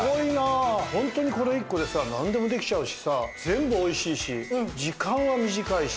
ホントにこれ１個でさなんでもできちゃうしさ全部おいしいし時間は短いし。